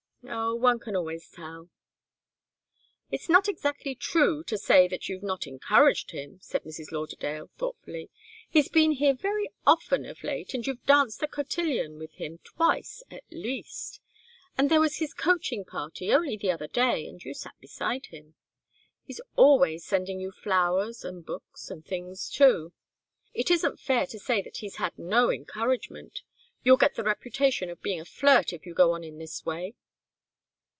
"Oh one can always tell." "It's not exactly true to say that you've not encouraged him," said Mrs. Lauderdale, thoughtfully. "He's been here very often of late, and you've danced the cotillion with him twice, at least. Then there was his coaching party only the other day and you sat beside him. He's always sending you flowers, and books, and things, too. It isn't fair to say that he's had no encouragement. You'll get the reputation of being a flirt if you go on in this way."